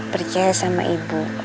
percaya sama ibu